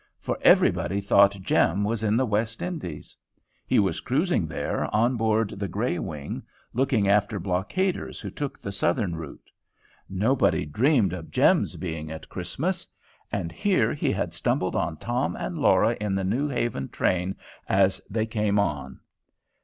For everybody thought Jem was in the West Indies. He was cruising there, on board the "Greywing," looking after blockaders who took the Southern route. Nobody dreamed of Jem's being at Christmas. And here he had stumbled on Tom and Laura in the New Haven train as they came on!